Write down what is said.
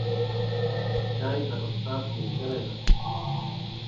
چای د استاد ملګری دی